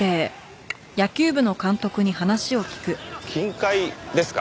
金塊ですか？